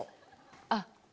あっ。